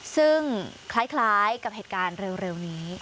ซึ่งคล้ายกับเหตุการณ์เร็วนี้